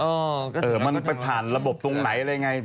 เออมันไปผ่านระบบตรงไหนอะไรไง